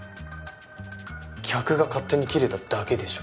客が勝手にキレただけでしょ。